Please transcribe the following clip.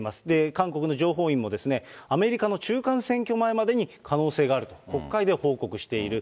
韓国の情報院も、アメリカの中間選挙前までに可能性があると、国会で報告している。